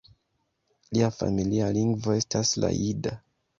Lia familia lingvo estas la jida.